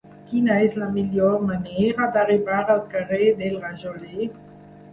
Quina és la millor manera d'arribar al carrer del Rajoler?